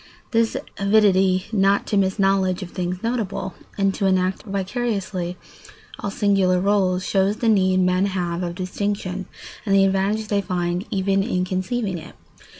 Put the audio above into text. This avidity not to miss knowledge of things notable, and to enact vicariously all singular rôles, shows the need men have of distinction and the advantage they find even in conceiving it.